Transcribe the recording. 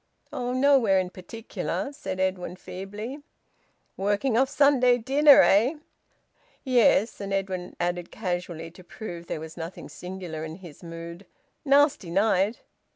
"Oh! Nowhere particular," said Edwin feebly. "Working off Sunday dinner, eh?" "Yes." And Edwin added casually, to prove that there was nothing singular in his mood: "Nasty night!"